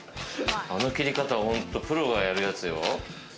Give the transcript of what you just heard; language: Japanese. あの切り方は本当プロがやるやつよ。